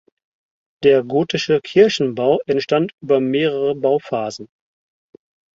Der gotische Kirchenbau entstand über mehrere Bauphasen.